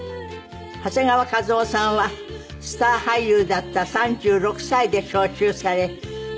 長谷川一夫さんはスター俳優だった３６歳で召集され入隊したお話を。